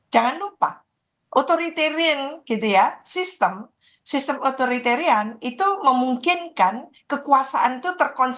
jangan lupa authoritarian gitu ya sistem sistem otoritarian itu memungkinkan kekuasaan itu terkoneksi